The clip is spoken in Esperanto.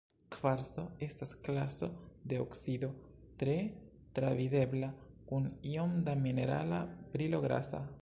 Kvarco estas klaso de oksido, tre travidebla kun iom da minerala brilo grasa.